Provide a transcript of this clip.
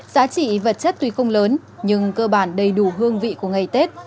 giá trị vật chất tuy không lớn nhưng cơ bản đầy đủ hương vị của ngày tết